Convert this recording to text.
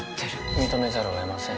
認めざるをえません。